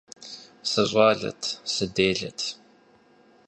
СыщӀалэт, сыделэт.